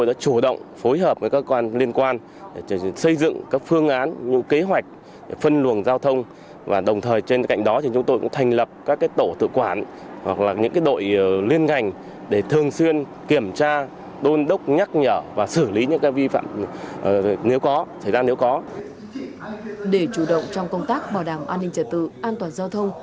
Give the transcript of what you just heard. để chủ động trong công tác bảo đảm an ninh trả tự an toàn giao thông